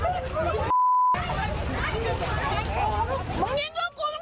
ลูกกูมันหนีไหม